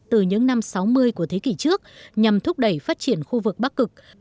từ những năm sáu mươi của thế kỷ trước nhằm thúc đẩy phát triển khu vực bắc cực